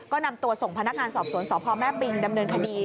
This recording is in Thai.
ก็นำตัวส่งพนักงานสอบสวนสพแม่ปิงดำเนินคดี